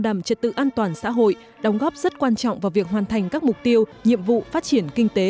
an toàn xã hội đóng góp rất quan trọng vào việc hoàn thành các mục tiêu nhiệm vụ phát triển kinh tế